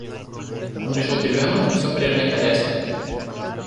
Он решил перевернуть всё прежнее хозяйство.